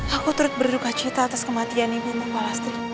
aku turut berduka cita atas kematian ibu bapak lastri